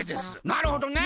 なるほどね。